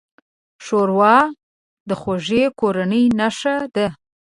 ښوروا د خوږې کورنۍ نښه ده.